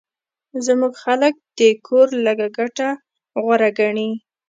زموږ خلک د کور لږه ګټه غوره ګڼي